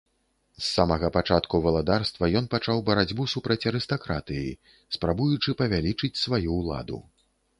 З самага пачатку валадарства, ён пачаў барацьбу супраць арыстакратыі, спрабуючы павялічыць сваю ўладу.